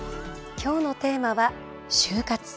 今日のテーマは「終活」。